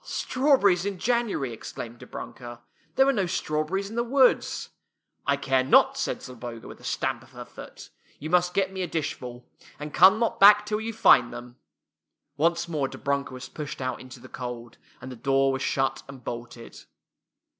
"Strawberries in January!" exclaimed Dobrunka. " There were no strawberries in the woods." " I care not! " said Zloboga with a stamp of her foot. "You must get me a dishful; and come not back till you find them." Once more Dobrunka was pushed out into the cold, and the door was shut and bolted.